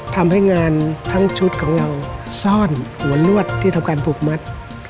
ทำให้งานทั้งชุดของเราซ่อนหัวลวดที่ทำการผูกมัด